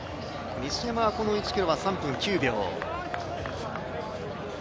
西山は、この１ｋｍは３分９秒。